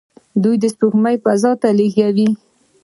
دوی سپوږمکۍ فضا ته لیږي.